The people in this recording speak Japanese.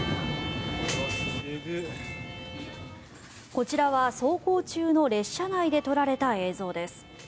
こちらは走行中の列車内で撮られた映像です。